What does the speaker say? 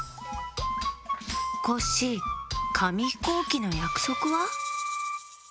コッシーかみひこうきのやくそくは？